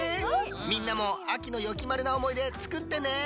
みんなも秋のよきまるなおもいで作ってね。